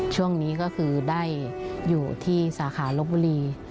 ช่วงนี้ก็คือได้อยู่ที่สาขาลบบุรี